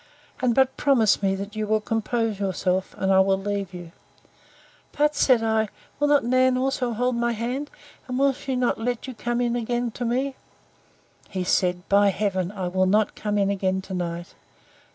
And but promise me, that you will compose yourself, and I will leave you. But, said I, will not Nan also hold my hand? And will not she let you come in again to me?—He said, By heaven! I will not come in again to night.